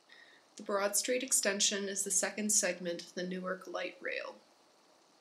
The Broad Street Extension is the second segment of the Newark Light Rail.